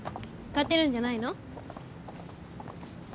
勝てるんじゃないの？